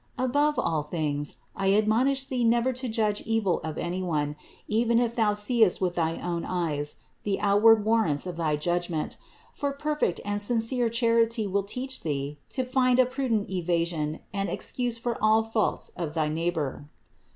Above all things I admonish thee never to judge evil of any one, even if thou seest with thy own eyes the out THE INCARNATION 321 ward warrants of thy judgment; for perfect and sincere charity will teach thee to find a prudent evasion and ex cuse for all faults of thy neighbor.